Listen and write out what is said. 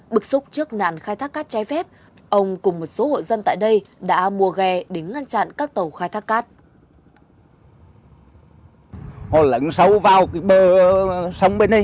bức xúc trước nạn khai thác cát trái phép ông cùng một số hộ dân tại đây đã mua ghe để ngăn chặn các tàu khai thác cát